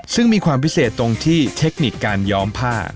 ซึ่งมีความพิเศษตรงที่เทคนิคการย้อมผ้า